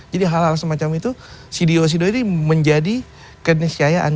jadi hal hal semacam itu cdo cdo ini menjadi kenisayaan